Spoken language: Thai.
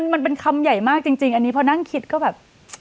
มันเป็นคำใหญ่มากจริงอันนี้พอนั่งคิดก็แบบ